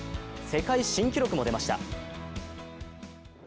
世界新記録も出ました。